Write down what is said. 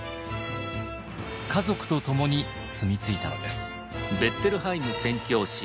家族と共に住み着いたのです。